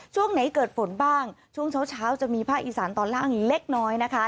ช่วงไหนเกิดฝนบ้างช่วงเช้าจะมีภาคอีสานตอนล่างเล็กน้อยนะคะ